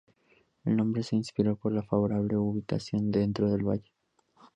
El nombre se inspiró por la favorable ubicación dentro del valle.